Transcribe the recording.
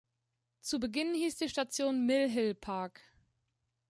Zu Beginn hieß die Station "Mill Hill Park".